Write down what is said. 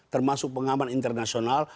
termasuk pengaman internasional